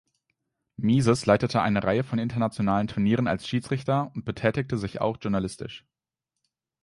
Mieses leitete eine Reihe von internationalen Turnieren als Schiedsrichter und betätigte sich auch journalistisch.